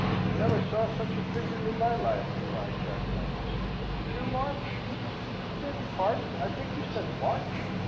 "Never saw such a figure in my life!" cries Jack Morris. "Did you March?" "I beg your pardon, I think you said March?"